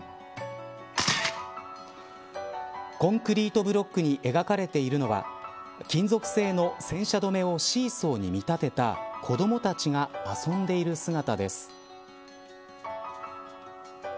コンクリートブロックに描かれているのは金属製の戦車止めをシーソーに見立てた子どもたちが遊んでいる姿です。